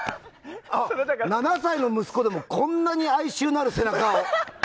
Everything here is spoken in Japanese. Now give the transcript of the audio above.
７歳の息子でもこんなに哀愁のある背中。